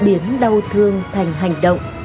biến đau thương thành hành động